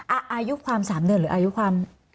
อายุความ๓เดือนหรืออายุความ